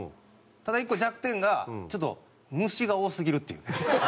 ただ１個弱点がちょっと虫が多すぎるっていう。